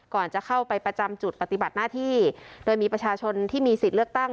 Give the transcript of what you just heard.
จะเข้าไปประจำจุดปฏิบัติหน้าที่โดยมีประชาชนที่มีสิทธิ์เลือกตั้ง